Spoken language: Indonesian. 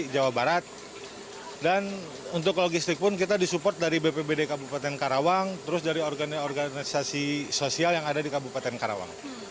jawa barat dan untuk logistik pun kita disupport dari bpbd kabupaten karawang terus dari organisasi sosial yang ada di kabupaten karawang